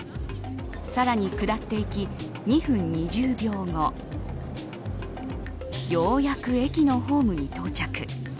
さらに下っていき２分２０秒後ようやく駅のホームに到着。